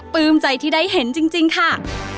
ใจที่ได้เห็นจริงค่ะ